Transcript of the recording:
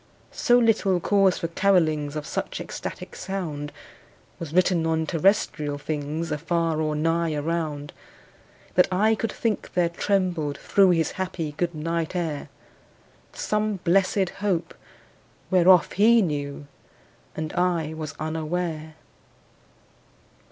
So little cause for carolings Of such ecstatic sound Was written on terrestrial things Afar or nigh around, That I could think there trembled through His happy good night air Some blessed Hope, whereof he knew, And I was unaware.